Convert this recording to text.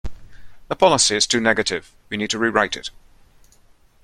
The policy is too negative; we need to rewrite it